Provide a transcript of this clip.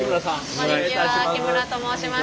こんにちは木村と申します。